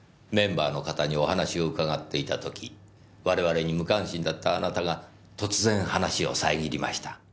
メンバーの方にお話を伺っていた時我々に無関心だったあなたが突然話を遮りました。